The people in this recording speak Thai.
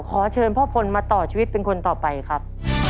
ขอเชิญพ่อพลมาต่อชีวิตเป็นคนต่อไปครับ